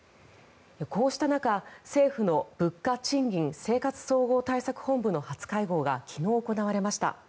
こうした中、政府の物価・賃金・生活総合対策本部の初会合が昨日行われました。